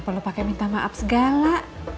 kenapa lo pakai minta maaf segala